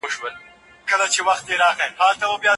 د ظالمانو محکوميت او پر جرمونو اعتراف د الله تعالی قدرت څرګندوي.